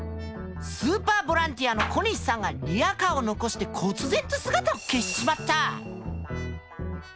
スーパーボランティアの小西さんがリアカーを残してこつ然と姿を消しちまった！